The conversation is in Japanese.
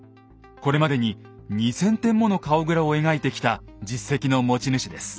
これまでに２，０００点もの顔グラを描いてきた実績の持ち主です。